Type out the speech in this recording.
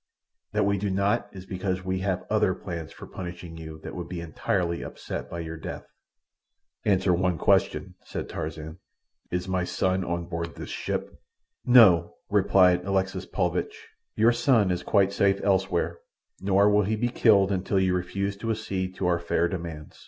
That we do not is because we have other plans for punishing you that would be entirely upset by your death." "Answer one question," said Tarzan. "Is my son on board this ship?" "No," replied Alexis Paulvitch, "your son is quite safe elsewhere; nor will he be killed until you refuse to accede to our fair demands.